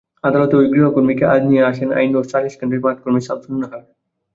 আদালতে ওই গৃহকর্মীকে আজ নিয়ে আসেন আইন ও সালিশ কেন্দ্রের মাঠকর্মী শাসসুন্নাহার।